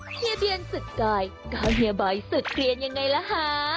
เฮียเบียนสุดกายก็เฮียบอยสุดเกลียนยังไงล่ะคะ